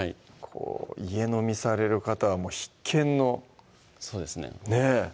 家飲みされる方は必見のそうですねねぇ